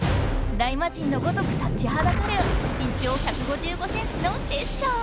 大魔神のごとく立ちはだかるしん長１５５ｃｍのテッショウ。